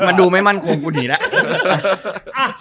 มันดูไม่มั่นคงกูดีแล้ว